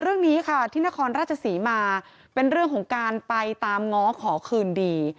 เรื่องนี้ค่ะที่นครราชศรีมาเป็นเรื่องของการไปตามง้อขอคืนดี